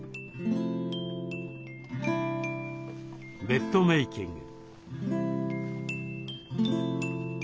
ベッドメーキング。